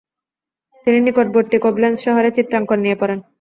তিনি নিকটবর্তী কোবলেন্স শহরে চিত্রাঙ্কন নিয়ে পড়েন।